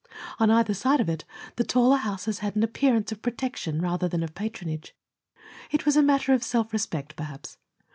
On either side of it, the taller houses had an appearance of protection rather than of patronage. It was a matter of self respect, perhaps.